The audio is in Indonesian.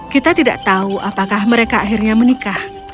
kita tidak tahu apakah mereka akhirnya menikah